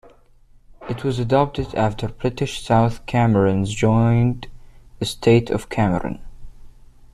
It was adopted after British South Cameroon's joined the State of Cameroon.